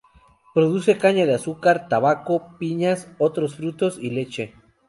Produce caña de azúcar, tabaco, piñas, otros frutos, y leche.